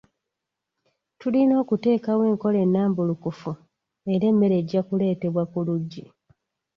Tulina okuteekawo enkola ennambulukufu era emmere ejja ku leetebwa ku luggi.